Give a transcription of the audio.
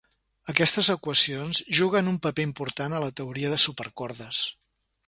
Aquestes equacions juguen un paper important a la teoria de supercordes.